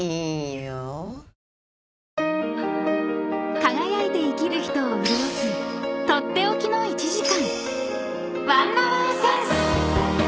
［輝いて生きる人を潤す取って置きの１時間］